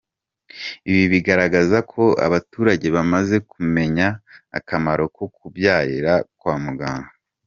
Ibi bigaragaza ko abaturage bamaze kumenya akamaro ko kubyarira kwa muganga.